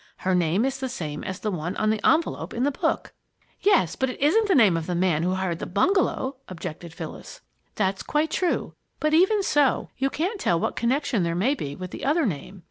Her name is the same as the one on the envelop in the book " "Yes, but that isn't the name of the man who hired the bungalow," objected Phyllis. "That's quite true, but even so, you can't tell what connection there may be with the other name.